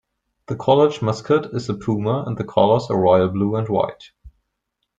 The college mascot is the puma and the colors are royal blue and white.